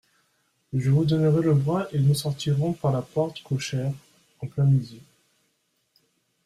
Je vous donnerai le bras et nous sortirons par la porte cochère, en plein midi.